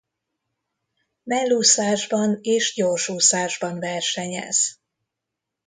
Mellúszásban és gyorsúszásban versenyez.